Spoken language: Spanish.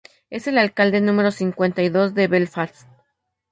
Es el alcalde número cincuenta y dos de Belfast.